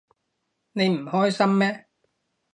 你唔開心咩？